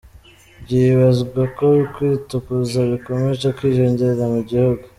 Byibazwa ko kwitukuza bikomeje kwiyongera mu gihugu.